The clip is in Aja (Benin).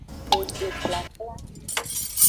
Egbekplakpla.